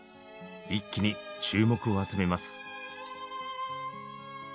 一気に注目を集めます。